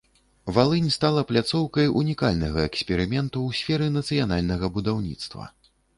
Валынь стала пляцоўкай унікальнага эксперыменту ў сферы нацыянальнага будаўніцтва.